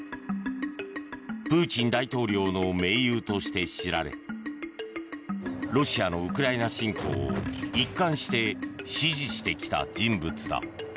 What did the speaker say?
プーチン大統領の盟友として知られロシアのウクライナ侵攻を一貫して支持してきた人物だ。